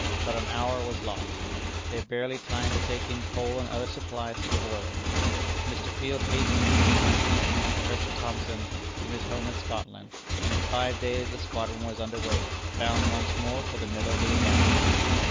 Not an hour was lost. They had barely time to take in coal and other supplies for the voyage. Mr. Field hastened from England, and Prof. Thomson from his home in Scotland, and in five days the squadron was under way, bound once more for the middle of the Atlantic.